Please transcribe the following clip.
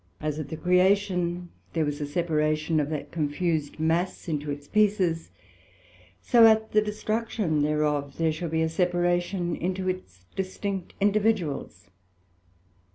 As at the Creation there was a separation of that confused mass into its pieces; so at the destruction thereof there shall be a separation into its distinct individuals.